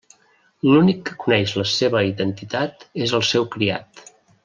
L’únic que coneix la seva identitat és el seu criat.